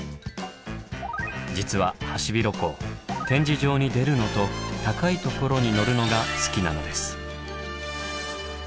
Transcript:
実はハシビロコウ「展示場に出る」のと「高いところに乗る」のが好きなのです。